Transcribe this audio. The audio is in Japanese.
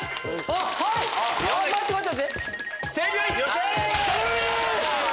待って待って！